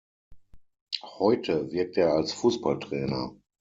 Heute wirkt er als Fußballtrainer.